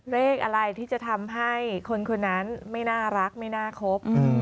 เลขอะไรที่จะทำให้คนคนนั้นไม่น่ารักไม่น่าครบ